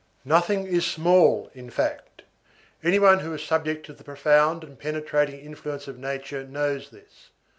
Nothing is small, in fact; any one who is subject to the profound and penetrating influence of nature knows this.